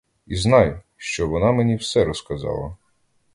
І знай, що вона мені все розказала.